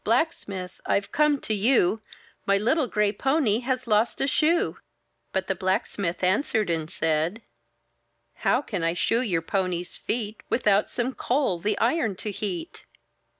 Blacksmith ! I've come to you; My little gray pony has lost a shoe!" MY BOOK HOUSE But the blacksmith answered and said: — ''How can I shoe your pony's feet, Without some coal the iron to heat?'